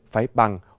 phải bằng hoặc đơn vị